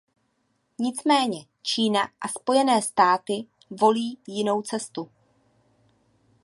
Nicméně Čína a Spojené státy volí jinou cestu.